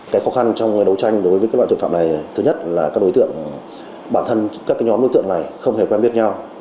cái khó khăn trong đấu tranh đối với các loại tội phạm này thứ nhất là các đối tượng bản thân các nhóm đối tượng này không hề quen biết nhau